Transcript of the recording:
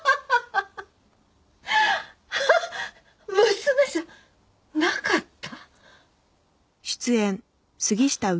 娘じゃなかった？